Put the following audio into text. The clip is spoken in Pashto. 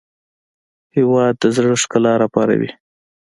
هېواد د زړه ښکلا راپاروي.